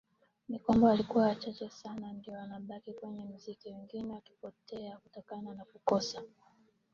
ni kwamba walikuwa wachache Sana ndio wanabaki kwenye muziki wengine wakipotea kutokana na kukosa